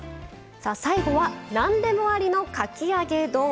さあ最後は何でもありのかき揚げ丼。